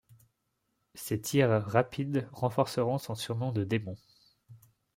Ses tirs rapides renforceront son surnom de démon.